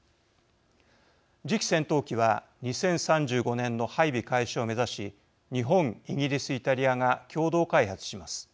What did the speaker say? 次期戦闘機は２０３５年の配備開始を目指し日本・イギリス・イタリアが共同開発します。